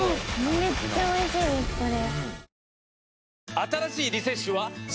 めっちゃおいしいですこれ。